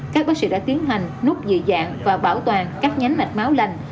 các bác sĩ đã tiến hành núp dị dạng và bảo toàn các nhánh mạch máu lành